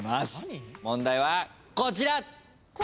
問題はこちら！